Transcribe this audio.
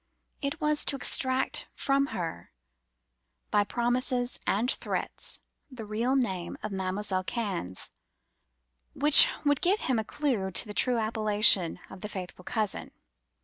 It was to extract from her, by promises and threats, the real name of Mam'selle Cannes, which would give him a clue to the true appellation of The Faithful Cousin.